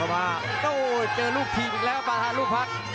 โอ้โหเจอลูกผีอีกแล้วครับมาทานลูกพลักษณ์